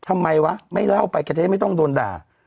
ไม่เล่าไปก็จะไม่ต้องโดนด่า